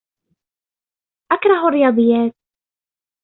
أكره الرياضيات.